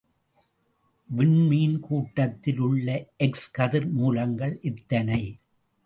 விண்மீன் கூட்டத்தில் உள்ள எக்ஸ் கதிர் மூலங்கள் எத்தனை?